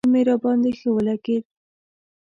نوم یې راباندې ښه ولګېد.